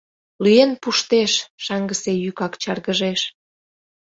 Лӱен пуштеш!.. — шаҥгысе йӱкак чаргыжеш.